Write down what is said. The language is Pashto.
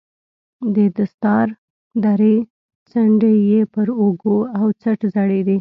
د دستار درې څنډې يې پر اوږو او څټ ځړېدې.